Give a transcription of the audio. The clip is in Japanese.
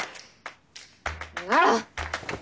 なら！